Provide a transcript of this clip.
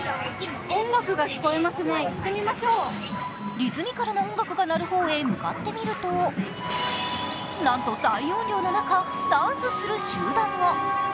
リズミカルな音楽が鳴る方へ向かってみると、なんと大音量の中、ダンスする集団が。